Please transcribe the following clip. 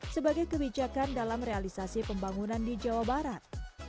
sebagai kebijakan dalam realisasi pembangunan di jawa barat